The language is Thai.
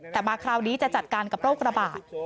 แต่มาคราวนี้จะจัดการกับโรคระบาด